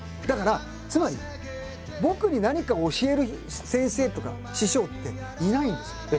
だからつまり僕に何か教える先生とか師匠っていないんですよ。